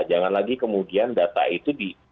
jangan lagi kemudian data itu di